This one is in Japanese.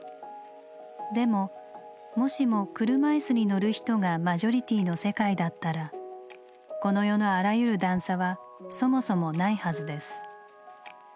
でももしも車いすに乗る人がマジョリティの世界だったらこの世のあらゆる段差はそもそもないはずです。